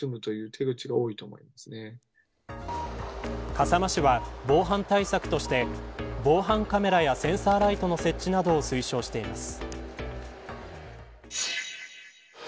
笠間市は防犯対策として防犯カメラやセンサーライトの設置などを推奨しています。